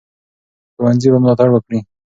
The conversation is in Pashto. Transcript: ښوونځي به ملاتړ وکړي.